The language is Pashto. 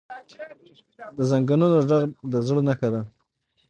د زنګونونو ږغ د زړښت نښه ده.